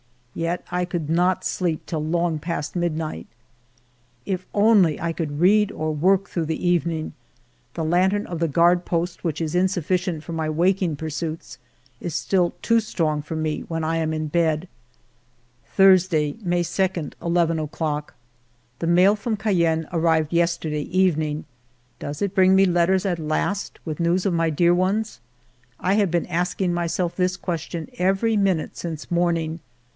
Yet I could not sleep till long past midnight. If only I could read or work through the evening ! The lantern of the guard post, which ALFRED DREYFUS iig is insufficient for my waking pursuits, is still too strong for me when I am in bed. Thursday, May 2, 1 1 o'clock. The mail from Cayenne arrived yesterday evening. Does it bring me letters at last, with news of my dear ones ? I have been asking my self this question every minute since morning.